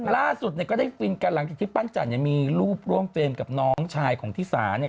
ล่าสุดเนี่ยก็ได้ฟินกันหลังจากที่ปั้นจันเนี่ยมีรูปร่วมเฟรมกับน้องชายของธิสาเนี่ย